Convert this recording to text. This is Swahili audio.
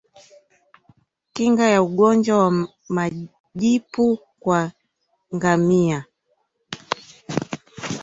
Kinga ya ugonjwa wa majipu kwa ngamia